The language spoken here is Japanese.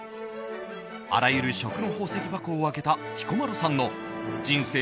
あらゆる食の宝石箱を開けた彦摩呂さんの人生